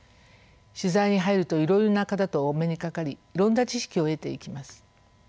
取材に入るといろいろな方とお目にかかりいろんな知識を得ていきます。